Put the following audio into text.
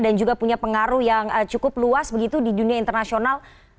dan juga punya pengaruh yang cukup luas begitu di dunia internasional